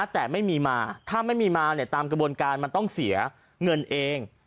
แต่ไม่มีมาถ้าไม่มีมาตามกระบวนการมันต้องเสียเงินเอง